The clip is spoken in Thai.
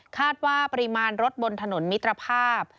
คาดว่าปริมาณรถบนถนนมิตรภาพ